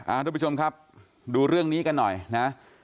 ทุกผู้ชมครับดูเรื่องนี้กันหน่อยนะ